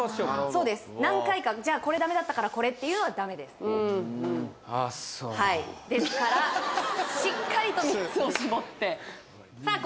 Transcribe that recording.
そうです何回かじゃあこれダメだったからこれっていうのはダメですあっそうはいですからしっかりと３つを絞ってさあ